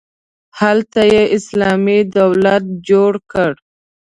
هلته یې اسلامي دولت جوړ کړ.